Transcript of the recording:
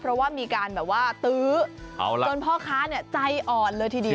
เพราะว่ามีการแบบว่าตื้อจนพ่อค้าใจอ่อนเลยทีเดียว